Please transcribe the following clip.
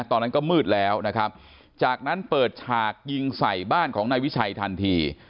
ตอนนั้นก็มืดแล้วนะครับจากนั้นเปิดฉากยิงใส่บ้านของนายวิชัยทันที